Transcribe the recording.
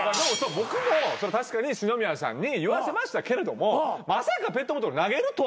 僕も確かに篠宮さんに言わせましたけれどもまさかペットボトル投げるとは思わないじゃないですか。